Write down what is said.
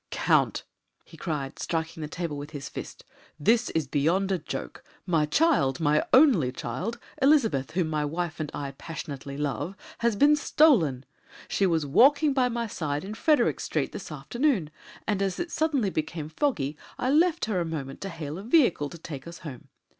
"Count!" he cried, striking the table with his fist, "this is beyond a joke. My child my only child Elizabeth, whom my wife and I passionately love, has been stolen. She was walking by my side in Frederick Street this afternoon, and as it suddenly became foggy, I left her a moment to hail a vehicle to take us home.